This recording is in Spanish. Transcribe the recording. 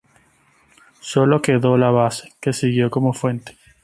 Solo quedó la base, que siguió como fuente.